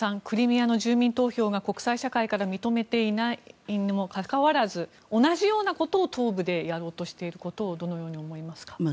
クリミアの住民投票を国際社会が認めていないにもかかわらず同じようなことを東部でやろうとしていることをどのように思いますか？